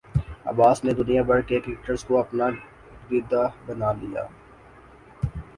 عباس نے دنیا بھر کے کرکٹرز کو اپنا گرویدہ بنا لیا